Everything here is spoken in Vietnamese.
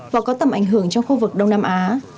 và có tầm ảnh hưởng trong khu vực đông nam á